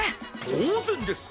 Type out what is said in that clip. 当然です。